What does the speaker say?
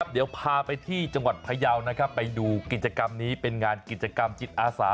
เดี๋ยวพาไปที่จังหวัดพยาวไปดูกิจกรรมนี้เป็นงานกิจกรรมจิตอาสา